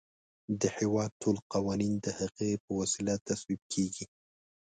د هیواد ټول قوانین د هغې په وسیله تصویب کیږي.